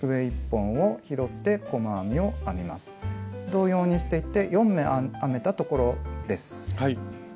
同様にしていって４目編めたところです。